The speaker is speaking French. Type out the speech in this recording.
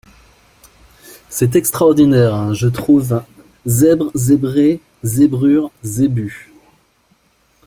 C’est extraordinaire ! je trouve zèbre, zébré, zébrure, zébu !…